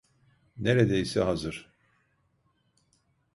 Neredeyse hazır.